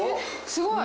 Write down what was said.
すごい。